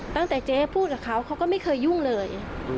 ตั้งแต่เจ๊พูดกับเขาเขาก็ไม่เคยยุ่งเลย